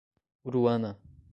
Uruana